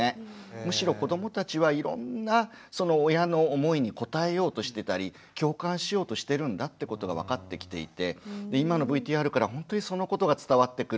むしろ子どもたちはいろんなその親の思いに応えようとしてたり共感しようとしてるんだってことが分かってきていて今のＶＴＲからほんとにそのことが伝わってくる。